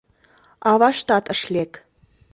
Аваштат ыш лек.